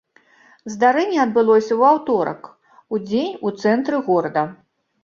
Здарэнне адбылося ў аўторак удзень у цэнтры горада.